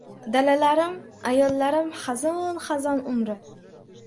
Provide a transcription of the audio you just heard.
Dalalarim — ayollarim xazon-xazon umri.